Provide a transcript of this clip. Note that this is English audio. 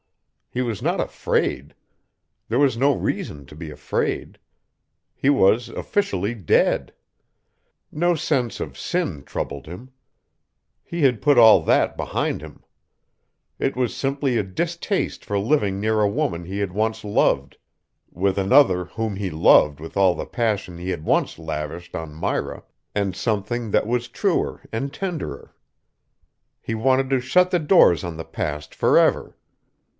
He was not afraid. There was no reason to be afraid. He was officially dead. No sense of sin troubled him. He had put all that behind him. It was simply a distaste for living near a woman he had once loved, with another whom he loved with all the passion he had once lavished on Myra, and something that was truer and tenderer. He wanted to shut the doors on the past forever.